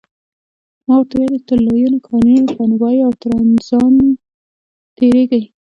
ما ورته وویل تر لویینو، کانیرو، کانوبایو او ترانزانو تیریږئ.